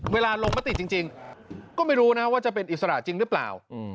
ลงมติจริงก็ไม่รู้นะว่าจะเป็นอิสระจริงหรือเปล่า